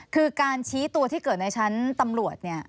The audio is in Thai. คือการชี้ตัวที่เกิดในชั้นตำรวจเนี่ย